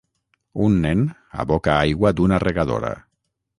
Un nen aboca aigua d'una regadora.